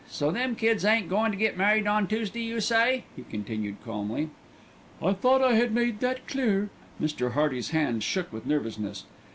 So them kids ain't goin' to get married on Toosday, you say," he continued calmly. "I thought I had made that clear." Mr. Hearty's hands shook with nervousness.